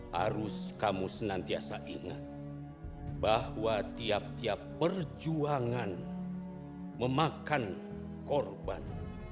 harus kamu senantiasa ingat bahwa tiap tiap perjuangan memakan korban